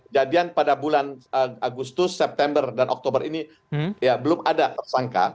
jadian pada bulan agustus september dan oktober ini belum ada tersangka